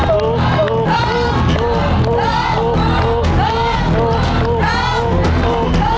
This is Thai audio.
โอ้โฮโอ้โฮโอ้โฮ